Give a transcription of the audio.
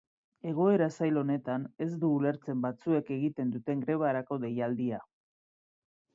Egoera zail honetan ez du ulertzen batzuek egiten duten grebarako deialdia.